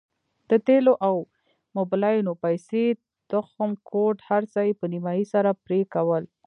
د تېلو او موبلينو پيسې تخم کود هرڅه يې په نيمايي سره پرې کول.